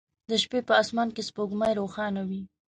د شپې په اسمان کې سپوږمۍ روښانه وي